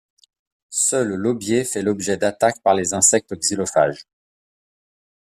Seul l'aubier fait l'objet d'attaques par les insectes xylophages.